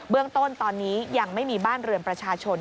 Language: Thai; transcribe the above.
เรื่องต้นตอนนี้ยังไม่มีบ้านเรือนประชาชน